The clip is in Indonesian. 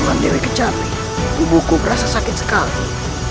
ukuran dewi kecapi tubuhku kerasa sakit sekali